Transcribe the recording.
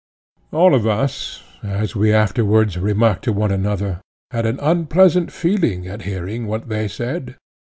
All of us, as we afterwards remarked to one another, had an unpleasant feeling at hearing what they said.